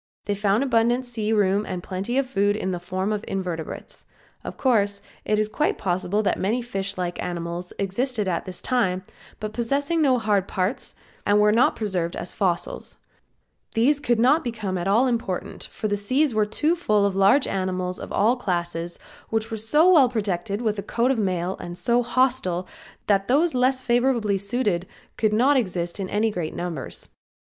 They found abundant sea room and plenty of food in the form of invertebrates. Of course it is quite probable that many fish like animals existed at this time, but possessing no hard parts and were not preserved as fossils; these could not become at all important for the sea was too full of large animals of all classes which were so well protected with a coat of mail and so hostile that those less favorably situated could not exist in any great numbers.